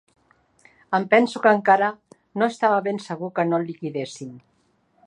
Em penso que encara no estava ben segur que no el liquidéssim